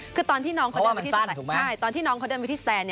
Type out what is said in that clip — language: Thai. คือตอนที่น้องเขาเดินไปที่สแตน